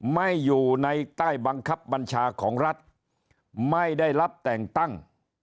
ไม่อยู่ในใต้บังคับบัญชาของรัฐไม่ได้รับแต่งตั้ง